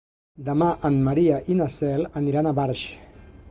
Demà en Maria i na Cel aniran a Barx.